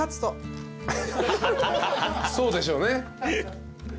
そうでしょうね。